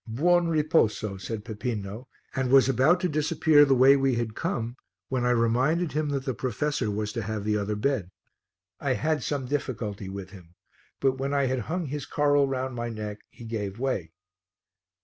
"Buon riposo," said Peppino, and was about to disappear the way we had come when I reminded him that the professor was to have the other bed. I had some difficulty with him, but when I had hung his coral round my neck he gave way.